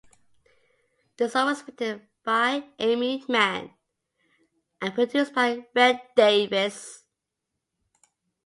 The song was written by Aimee Mann and produced by Rhett Davies.